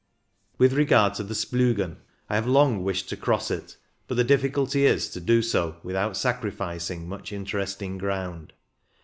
With regard to the Splugen, I have long wished to cross it, but the difficulty is to do so without sacrificing much inter esting ground.